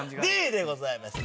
Ｄでございます。